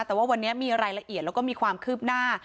แต่ว่าวันนี้มีรายละเอียดแล้วก็มีความคืบหน้า